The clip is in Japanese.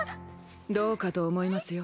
どうかと思いますよ